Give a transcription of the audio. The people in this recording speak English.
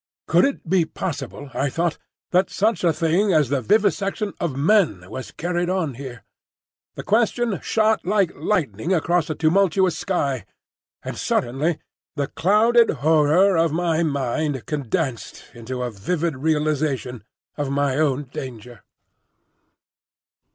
Could it be possible, I thought, that such a thing as the vivisection of men was carried on here? The question shot like lightning across a tumultuous sky; and suddenly the clouded horror of my mind condensed into a vivid realisation of my own danger.